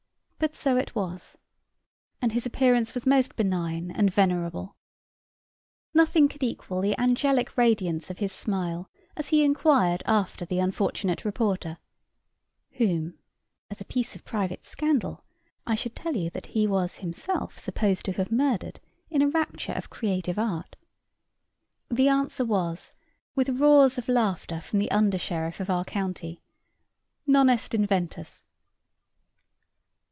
But so it was. And his appearance was most benign and venerable. Nothing could equal the angelic radiance of his smile as he inquired after the unfortunate reporter, (whom, as a piece of private scandal, I should tell you that he was himself supposed to have murdered, in a rapture of creative art:) the answer was, with roars of laughter, from the under sheriff of our county "Non est inventus."